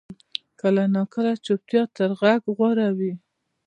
کله ناکله چپتیا تر غږ غوره وي.